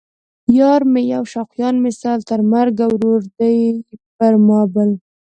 یار مې یو شوقیان مې سل ـ تر مرګه ورور دی پر ما بل